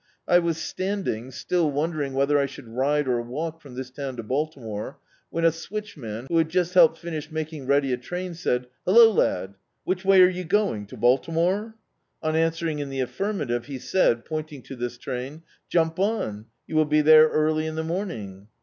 I was standing, still wondering whether I should ride or walk from this town to Baltimore, when a switdi man, who had just helped iinish making ready a trmn, said — "Hello, lad; which way are you go ing, to Baltimore?" On answering in the affirma tive, he said, pointing to this train, "Jump on: you will be there early in the morning!"